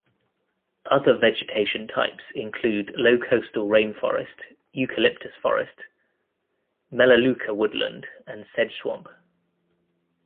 Other vegetation types include low coastal rainforest, eucalyptus forest, melaleuca woodland and sedge swamp.